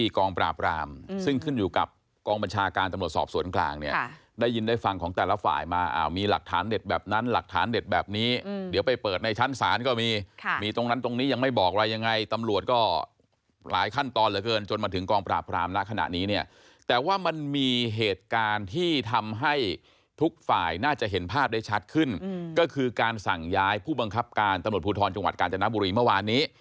คือการสั่งย้ายผู้บังคับการตำรวจภูทรจังหวัดกาญจนบุรีเมื่อวานนี้